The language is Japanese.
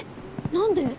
何で？